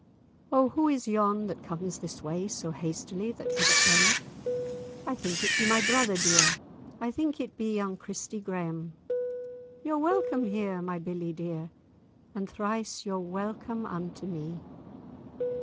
"O who is yon, that comes this way, So hastily that hither came? I think it be my brother dear, I think it be young Christie Graeme. Your welcome here, my billie dear, And thrice you're welcome unto me."